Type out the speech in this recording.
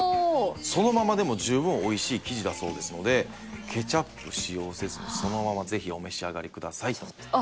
そのままでも十分美味しい生地だそうですのでケチャップ使用せずにそのままぜひお召し上がりくださいとの事です。